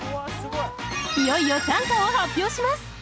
いよいよ短歌を発表します